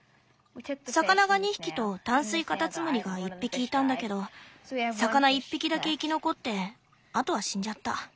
魚が２匹と淡水カタツムリが１匹いたんだけど魚１匹だけ生き残ってあとは死んじゃった。